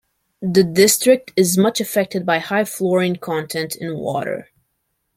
The district is much affected by high fluorine content in water.